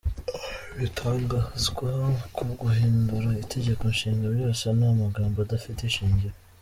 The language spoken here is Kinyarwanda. Ibitangazwa ku guhindura itegeko nshinga byose ni amagambo adafite ishingiro.